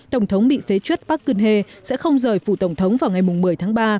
tổng thống bị phế chuất park geun hye sẽ không rời phủ tổng thống vào ngày một mươi tháng ba